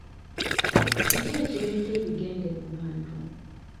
Kiki ekireeta ebigenge mu bantu?